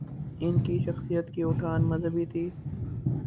ان کی شخصیت کی اٹھان مذہبی تھی۔